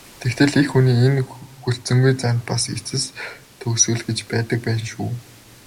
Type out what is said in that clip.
Тэгтэл эх хүний энэ хүлцэнгүй занд бас эцэс төгсгөл гэж байдаг байна шүү.